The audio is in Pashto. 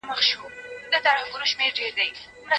عامه کتابتونونه بايد بېلابېل کتابونه ولري.